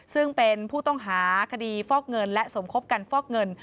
ซึ่งเป็นผู้ต้องหาคดีฟอกเงินและสมคบกันฟอกเงิน